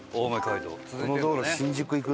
この道路新宿行くんだ。